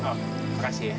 oh makasih ya